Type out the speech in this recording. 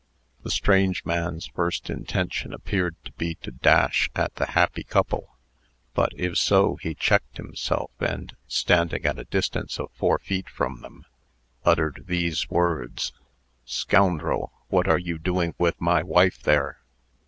The strange man's first intention appeared to be to dash at the happy couple; but, if so, he checked himself, and, standing at a distance of four feet from them, uttered these words: "Scoundrel! what are you doing with my wife there?"